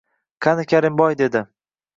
Meniki Karimboy, dedim